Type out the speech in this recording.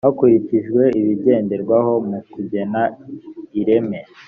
hakurikijwe ibigenderwaho mu kugena ireme